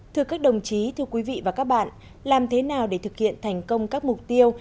thưa các đồng chí thưa quý vị và các bạn làm thế nào để thực hiện thành công các mục tiêu